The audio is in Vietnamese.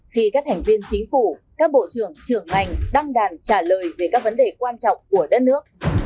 khi các thành viên chính phủ các bộ trưởng trưởng ngành đăng đàn trả lời về các vấn đề quan trọng của đất nước